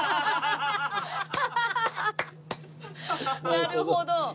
なるほど！